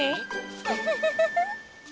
ウフフフフ。